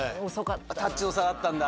タッチの差だったんだ。